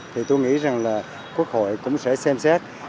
thì tôi nghĩ rằng là quốc hội cũng sẽ xem xét